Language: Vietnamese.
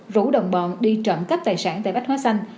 rủ đồng bọn đi trộm cắp tài sản tại bách hóa xanh